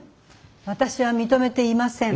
私は認めていません。